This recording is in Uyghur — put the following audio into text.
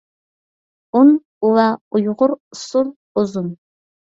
ئۇن، ئۇۋا، ئۇيغۇر، ئۇسسۇل، ئۇزۇن.